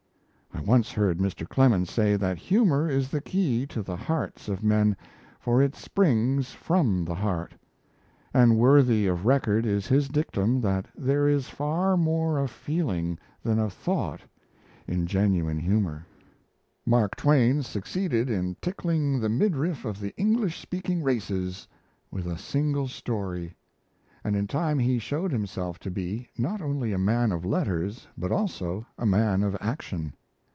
I once heard Mr. Clemens say that humour is the key to the hearts of men, for it springs from the heart; and worthy of record is his dictum that there is far more of feeling than of thought in genuine humour. Mark Twain succeeded in "tickling the midriff of the English speaking races" with a single story; and in time he showed himself to be, not only a man of letters, but also a man of action.